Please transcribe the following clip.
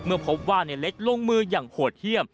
เมื่อพบว่าในเล็กลงมืออย่างโหดเยี่ยม